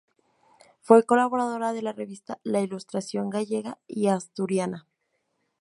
Fue colaboradora de la revista La Ilustración Gallega y Asturiana.